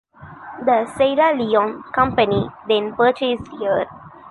The Sierra Leone Company then purchased her.